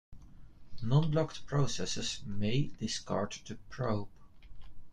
Non-blocked processes may discard the probe.